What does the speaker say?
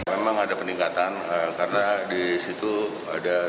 memang ada peningkatan karena di situ ada